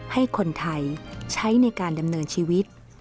ให้คนไทยใช้ในการดำเนินชีวิต